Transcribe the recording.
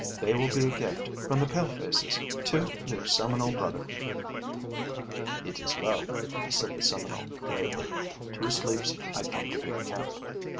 They will be a gift from the palefaces to their Seminole brother." "It is well," said the Seminole, gravely. "Two sleeps I come to big camp."